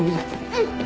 うん。